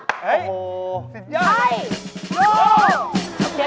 โอ้โฮจริง